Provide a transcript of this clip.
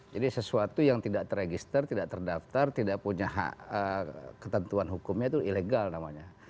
jadi sesuatu yang tidak teregister tidak terdaftar tidak punya hak ketentuan hukumnya itu ilegal namanya